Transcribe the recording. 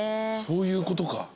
そういうことか。